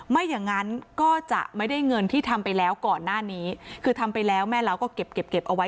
ไม่อย่างนั้นก็จะไม่ได้เงินที่ทำไปแล้วก่อนหน้านี้คือทำไปแล้วแม่เล้าก็เก็บเก็บเอาไว้